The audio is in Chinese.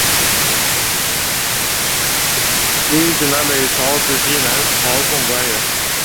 刘邕是南北朝时期南朝宋官员。